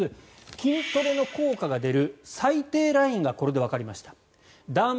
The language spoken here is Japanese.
筋トレの効果が出る最低ラインがこれでわかりました